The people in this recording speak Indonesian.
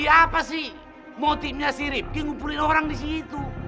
apa sih motifnya si rifki ngumpulin orang disitu